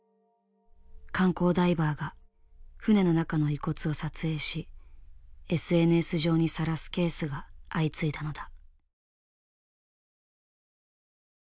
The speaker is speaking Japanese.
観光ダイバーが船の中の遺骨を撮影しＳＮＳ上にさらすケースが相次いだのだ。